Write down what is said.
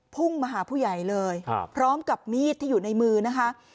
พุ่งมาหาผู้ใหญ่เลยพร้อมกับมีดที่อยู่ในมือนะคะ